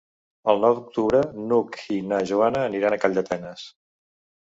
El nou d'octubre n'Hug i na Joana aniran a Calldetenes.